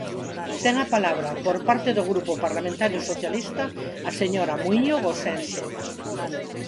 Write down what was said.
Ten a palabra, por parte do Grupo Parlamentario Socialista, a señora Muíño Gosenxe.